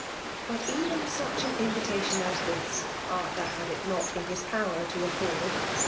'Biit even such' an infvitation as' this, Arthur had it not in his power to afford.